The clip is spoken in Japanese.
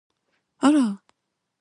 あら！